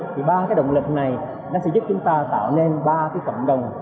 thì ba cái động lực này nó sẽ giúp chúng ta tạo nên ba cái cộng đồng